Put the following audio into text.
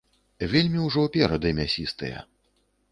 Вельмі ўжо перады мясістыя.